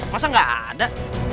masa gak ada